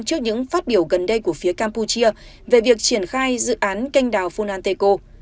trước những phát biểu gần đây của phía campuchia về việc triển khai dự án canh đào funanteco